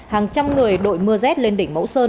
hàng trăm người đội mưa rét lên đỉnh mẫu sơn